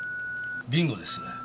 ビンゴですね。